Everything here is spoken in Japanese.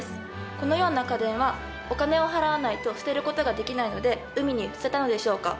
このような家電はお金を払わないと捨てることができないので海に捨てたのでしょうか？